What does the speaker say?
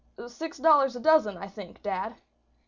"Six dollars a dozen, I think, dad."